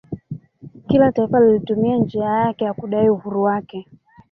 Kila taifa lilitumia njia yake ya kudai uhuru wake